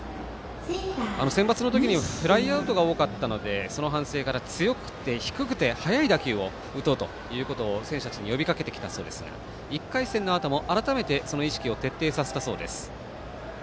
センバツの時にはフライアウトが多かったのでその反省から強く打って低くて速い打球を打とうということを選手たちに呼びかけてきたそうですが１回戦のあとも改めてその意識を徹底させたそうです。